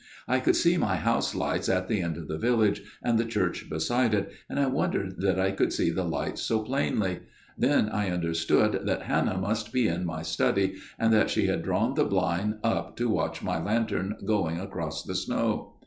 " I could see my house lights at the end of the village, and the church beside it, and I wondered that I could see the lights so plainly. Then I understood that Hannah must be in my study and that she had drawn the blind up to watch my lantern going across the snow.